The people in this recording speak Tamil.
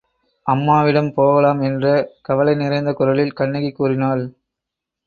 அம்மாவிடம் போகலாம் என்ற கவலை நிறைந்த குரலில் கண்ணகி கூறினாள்.